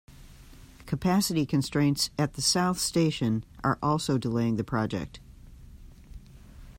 Capacity constraints at South Station are also delaying the project.